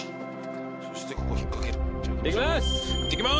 そしてここ引っ掛ける行ってきます！